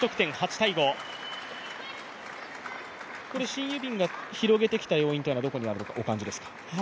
シン・ユビンが広げてきた要因はどこにあるとお感じですか？